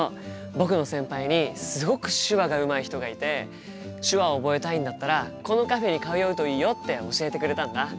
僕の先輩にすごく手話がうまい人がいて手話を覚えたいんだったらこのカフェに通うといいよって教えてくれたんだ。